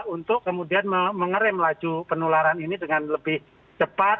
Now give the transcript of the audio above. untuk kemudian mengerim laju penularan ini dengan lebih cepat